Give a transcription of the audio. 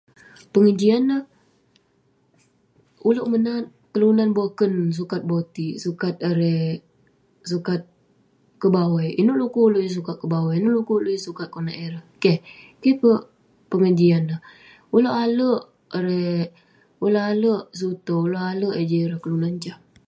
Pengejian neh, ulouk menat kelunan boken sukat boti'ik, sukat erei- sukat kebawai. Inouk dukuk ulouk yeng sukat kebawai, inouk dukuk ulouk yeng sukat konak ireh. Keh. Keh peh pengejian neh. ulouk ale' erei- ulouk ale' sutoh neh, ulouk ale' eh jin ireh kelunan jah.